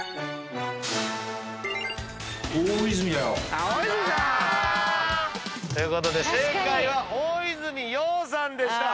「大泉だよ！」ということで正解は大泉洋さんでした。